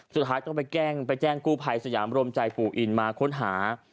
สุดท้ายต้องไปแจ้งกู้ภัยสยามรมใจปู่อินมาค้นหา